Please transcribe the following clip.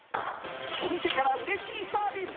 お店からうれしいサービス！